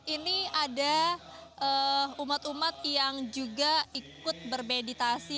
ini ada umat umat yang juga ikut bermeditasi